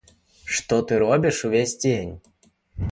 Што ты робіш ўвесь дзень?